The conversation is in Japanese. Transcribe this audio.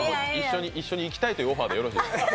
一緒に行きたいというオファーでよろしいですか？